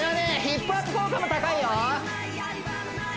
ヒップアップ効果も高いよ